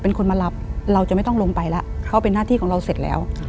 เป็นคนมารับเราจะไม่ต้องลงไปแล้วเขาเป็นหน้าที่ของเราเสร็จแล้ว